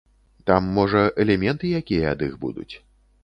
Там можа элементы якія ад іх будуць?